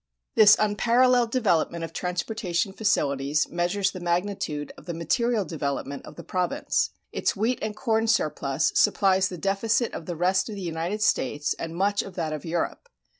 This unparalleled development of transportation facilities measures the magnitude of the material development of the province. Its wheat and corn surplus supplies the deficit of the rest of the United States and much of that of Europe.